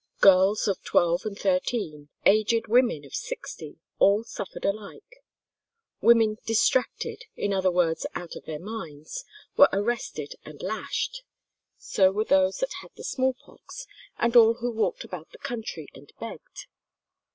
Girls of twelve and thirteen, aged women of sixty, all suffered alike; women "distracted," in other words out of their minds, were arrested and lashed; so were those that had the smallpox, and all who walked about the country and begged.